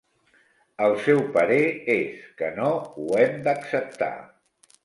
El seu parer és que no ho hem d'acceptar.